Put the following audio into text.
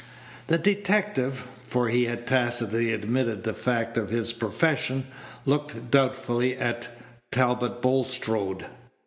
The detective for he had tacitly admitted the fact of his profession looked doubtfully at Talbot Bulstrode.